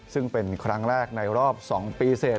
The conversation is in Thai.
ซึ่งเป็นครั้งแรกในรอบ๒ปีเสร็จ